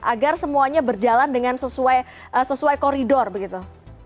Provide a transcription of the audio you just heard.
agar semuanya berjalan dengan sesuai koridor begitu